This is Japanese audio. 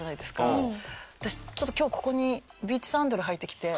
私ちょっと今日ここにビーチサンダル履いてきて。